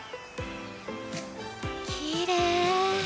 きれい。